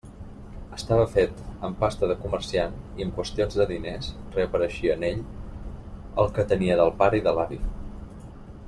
Estava fet amb pasta de comerciant, i en qüestions de diners reapareixia en ell el que tenia del pare i de l'avi.